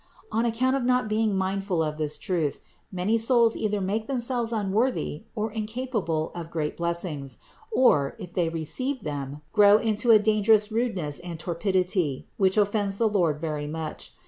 On account of not being mindful of this truth, many souls either make themselves unworthy or incapable of great blessings, or, if they receive them, grow into a dangerous rudeness and torpidity, which offends the Lord very much.